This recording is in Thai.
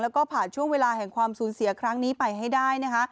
แล้วก็ผ่านช่วงเวลาแห่งความสูญเสียครั้งนี้ไปให้ได้นะคะ